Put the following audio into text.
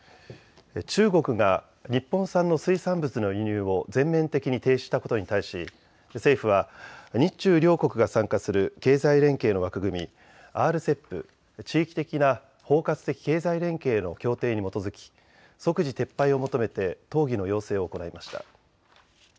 中国が日本産の水産物の輸入を全面的に停止したことに対し政府は日中両国が参加する経済連携の枠組み、ＲＣＥＰ・地域的な包括的経済連携の協定に基づき即時撤廃を求めて討議の要請を行いました。